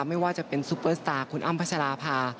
ไม่ว่าจะเป็นซุปเปอร์สตาร์คุณอ้ำพัชราภา